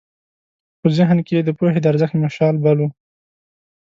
خو په ذهن کې یې د پوهې د ارزښت مشال بل و.